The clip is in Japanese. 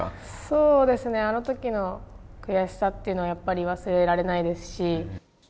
そうですね、あのときの悔しさっていうのはやっぱり忘れられないですし。